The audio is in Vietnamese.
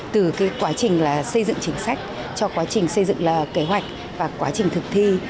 từ cái quá trình là xây dựng chính sách cho quá trình xây dựng là kế hoạch và quá trình thực thi